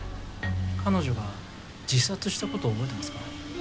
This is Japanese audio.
彼女が自殺した事覚えてますか？